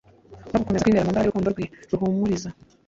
no gukomeza kwibera mu mbaraga y'urukundo rwe ruhumuriza.